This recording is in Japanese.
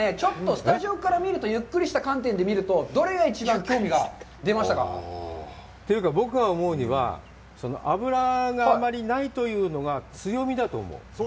スタジオから見ると、ゆっくりした観点で見ると、どれにいちばん興味がありましたか。というか、僕が思うには、脂があんまりないというのが強みだと思う。